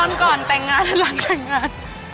ก่อนแต่งงานหรือหลังแต่งงาน